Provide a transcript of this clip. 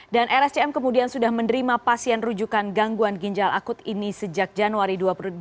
dan lscm kemudian sudah menerima pasien rujukan gangguan ginjal akut ini sejak januari dua ribu dua puluh dua